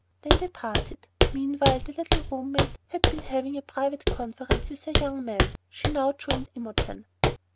Then they parted. Meanwhile the little room mate had been having a private conference with her "young man." She now joined Imogen.